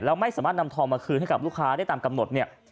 แล้วไม่สามารถนำทองมาคืนให้กับลูกค้าได้ตามกำหนดเนี่ย